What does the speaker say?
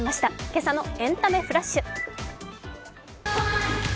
今朝の「エンタメフラッシュ」。